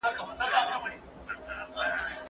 د ځان ژغورني اړيني لارښووني